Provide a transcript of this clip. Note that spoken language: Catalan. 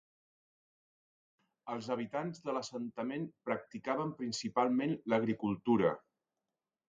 Els habitants de l'assentament practicaven principalment l'agricultura.